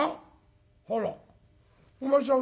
「あら。お前さん